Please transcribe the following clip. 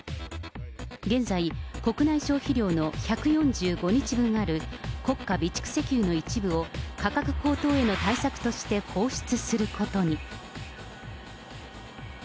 現在、国内消費量の１４５日分ある国家備蓄石油の一部を、価格高騰への対策として放出することに。